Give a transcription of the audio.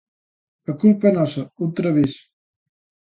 A culpa é nosa outra vez.